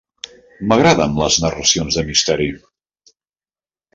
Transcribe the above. M'agraden les narracions de misteri.